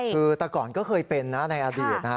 คือแต่ก่อนก็เคยเป็นในอดีต